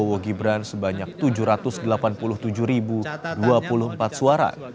prabowo gibran sebanyak tujuh ratus delapan puluh tujuh dua puluh empat suara